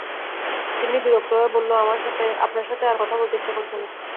তিন্নি বিরক্ত হয়ে বলল, আপনার সঙ্গে আর কথা বলতে ইচ্ছা করছে না।